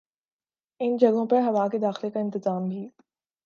ان جگہوں پر ہوا کے داخلے کا انتظام بھی